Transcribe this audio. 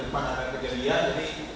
yang paling yang benar